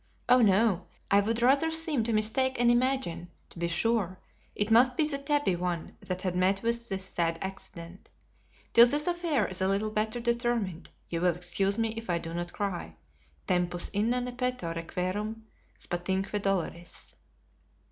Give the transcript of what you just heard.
Oh, no; I would rather seem to mistake and imagine, to be sure, it must be the tabby one that had met with this sad accident. Till this affair is a little better determined, you will excuse me if I do not cry, 'Tempus inane peto, requiem, spatiumque doloris.'"